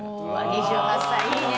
２８歳、いいね。